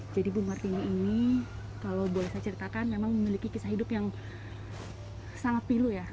jadi ibu martini ini kalau boleh saya ceritakan memang memiliki kisah hidup yang sangat pilu ya